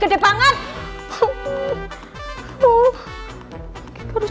aku mau pergi dulu